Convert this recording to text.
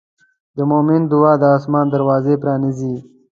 د مؤمن دعا د آسمان دروازه پرانیزي.